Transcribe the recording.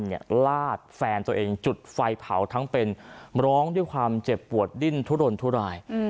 ลาดแฟนตัวเองจุดไฟเผาทั้งเป็นร้องด้วยความเจ็บปวดดิ้นทุรนทุราย